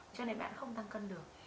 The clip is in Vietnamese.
cho nên bạn không tăng cân được